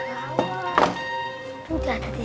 awa udah ada di sini